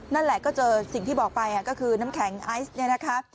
นั่นแหละก็เจอสิ่งที่บอกไปก็คือน้ำแข็งไอซ์เนี่ยนะคะ